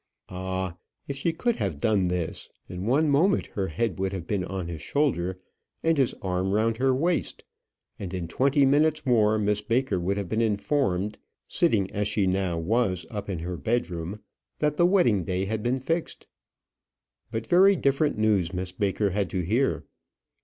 Ah! if she could have done this, in one moment her head would have been on his shoulder and his arm round her waist; and in twenty minutes more Miss Baker would have been informed, sitting as she now was up in her bedroom, that the wedding day had been fixed. But very different news Miss Baker had to hear.